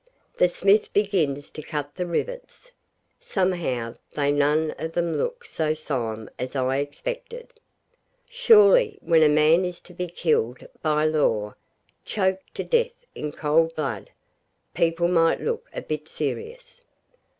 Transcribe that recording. The smith begins to cut the rivets. Somehow they none of them look so solemn as I expected. Surely when a man is to be killed by law, choked to death in cold blood, people might look a bit serious.